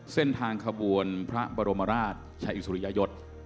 เส้นทางขบวนพระบรมราชอิสริยยศ